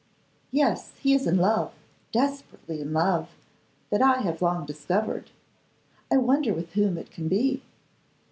'Yes; he is in love, desperately in love; that I have long discovered. I wonder with whom it can be!